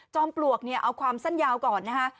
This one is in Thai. ปลวกเนี่ยเอาความสั้นยาวก่อนนะคะ